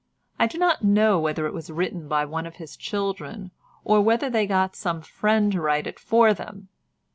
I do not know whether it was written by one of his children, or whether they got some friend to write it for them.